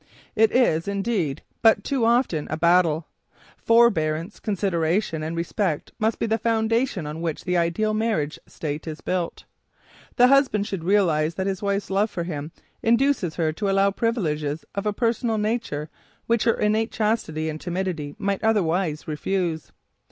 It is, indeed, but too often a battle! Forbearance, consideration and respect must be the foundation on which the ideal married state is built. The husband should realize that his wife's love for him induces her to allow privileges of a personal nature which her innate chastity and timidity might otherwise refuse.